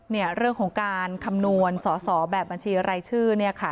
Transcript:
เนี่ยเรื่องของการคำนวณสอสอแบบบัญชีรายชื่อเนี่ยค่ะ